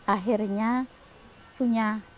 akhirnya punya tempat